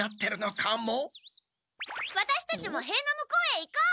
ワタシたちもへいの向こうへ行こう！